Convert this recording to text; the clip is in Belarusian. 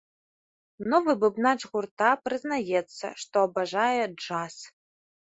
Новы бубнач гурта прызнаецца, што абажае джаз.